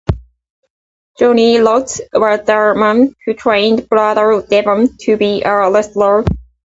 Johnny Rodz was the man who trained Brother Devon to be a wrestler.